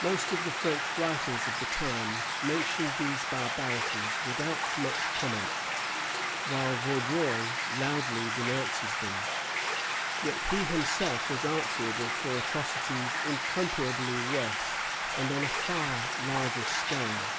Most of the French writers of the time mention these barbarities without much comment, while Vaudreuil loudly denounces them. Yet he himself was answerable for atrocities incomparably worse, and on a far larger scale.